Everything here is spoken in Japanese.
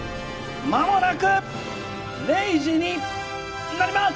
まもなく０時になります！